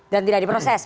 dan tidak diproses